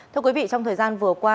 thưa quý vị trong thời gian vừa qua